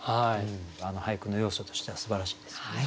俳句の要素としてはすばらしいですよね。